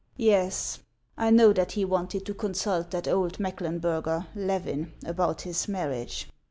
" Yes, I know that he wanted to consult that old Meck lenburger, Levin, about his marriage.